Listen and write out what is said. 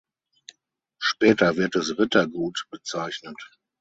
Später wird es Rittergut bezeichnet.